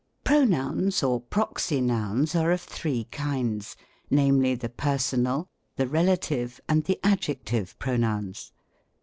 Pronouns or proxy nouns are of three kinds; name ly, the Personal, the Relative, and the Adjective Pro nouns.